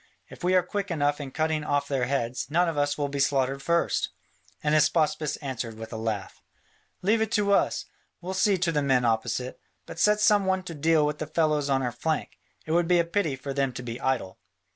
If we are quick enough in cutting off their heads, none of us will be slaughtered first." And Hystaspas answered with a laugh: "Leave it to us! We'll see to the men opposite. But set some one to deal with the fellows on our flank: it would be a pity for them to be idle."